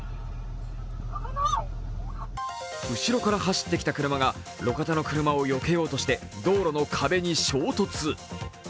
後ろから走ってきた車が路肩の車をよけようとして道路の壁に衝突。